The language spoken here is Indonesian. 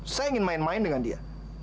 saya ingin main main dengan dia